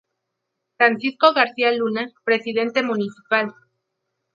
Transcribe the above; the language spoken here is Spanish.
Francisco García Luna, presidente municipal.